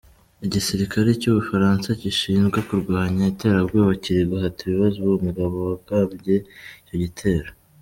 Igisirikare cy'Ubufaransa gishinzwe kurwanya iterabwoba kiri guhata ibibazo uwo mugabo wagabye icyo gitero.